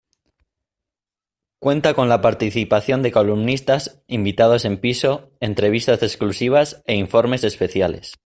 Cuenta con la participación de columnistas, invitados en piso, entrevistas exclusivas e informes especiales.